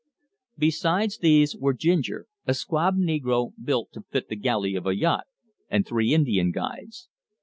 Besides these were Ginger, a squab negro built to fit the galley of a yacht; and three Indian guides.